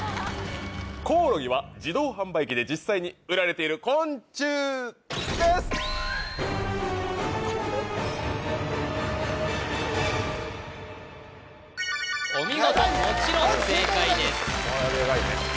コオロギは自動販売機で実際に売られている昆虫ですお見事もちろん正解です